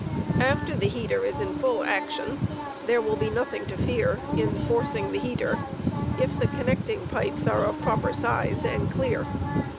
After the heater is in full action, there will be nothing to fear in " forcing ^J^"^"" the heater, if the connecting pipes are of proper 'size and clear.